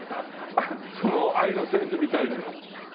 その愛の聖地みたいにねえ。